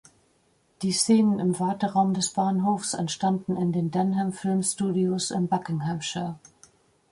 Die Szenen im Warteraum des Bahnhofs entstanden in den Denham Film Studios in Buckinghamshire.